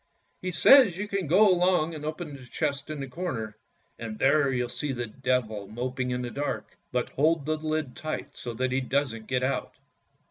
"" He says you can go along and open the chest in the corner, and there you'll see the Devil moping in the dark ; but hold the lid tight so that he doesn't get out."